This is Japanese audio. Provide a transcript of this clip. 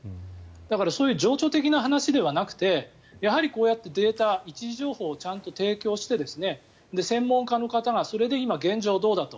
だからそういう情緒的な話ではなくてやはり、こうやってデータ１次情報をちゃんと提供して専門家の方がそれで今、現状どうだと。